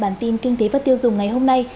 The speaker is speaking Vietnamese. bản tin kinh tế và tiêu dùng ngày hôm nay